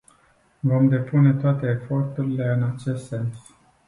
Vom depune toate eforturile în acest sens.